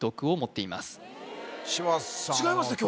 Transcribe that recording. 違いますね